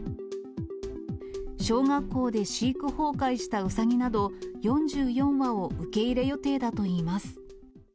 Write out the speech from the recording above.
小学校で飼育崩壊したうさぎなど、４４羽を受け入れ予定だといいます。